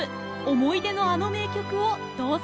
思い出のあの名曲をどうぞ！